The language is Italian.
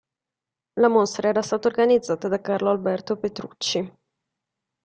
La mostra era stata organizzata da Carlo Alberto Petrucci.